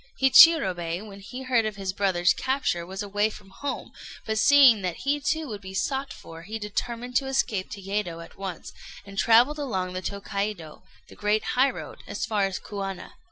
Hichirobei, when he heard of his brother's capture, was away from home; but seeing that he too would be sought for, he determined to escape to Yedo at once, and travelled along the Tôkaidô, the great highroad, as far as Kuana.